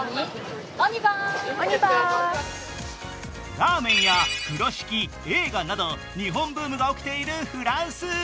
ラーメンや風呂敷、映画など日本ブームが起きているフランス。